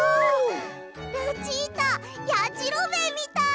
ルチータやじろべえみたい！